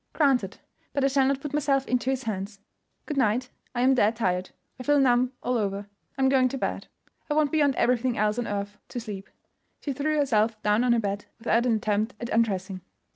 "Granted; but I shall not put myself into His hands. Good night, I am dead tired. I feel numb all over. I am going to bed. I want, beyond everything else on earth, to sleep." She threw herself down on her bed without an attempt at undressing.